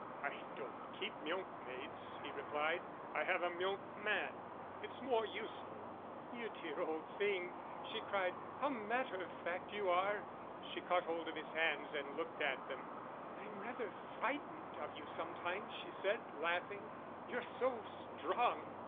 "I don't keep milkmaids," he replied. "I have a milkman; it's more useful." "You dear old thing," she cried. "How matter of fact you are!" She caught hold of his hands and looked at them. "I'm rather frightened of you, sometimes," she said, laughing. "You're so strong.